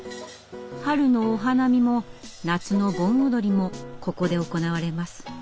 春のお花見も夏の盆踊りもここで行われます。